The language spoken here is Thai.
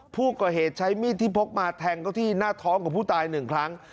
ผู้ก่อเหตุใช้มีดที่พกมาแทงเขาที่หน้าท้องของผู้ตายหนึ่งครั้ง